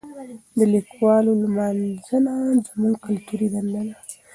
د لیکوالو لمانځنه زموږ کلتوري دنده ده.